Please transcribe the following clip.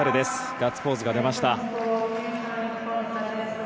ガッツポーズが出ました。